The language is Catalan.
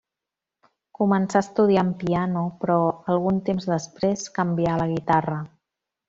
Començà estudiant piano però algun temps després canvià a la guitarra.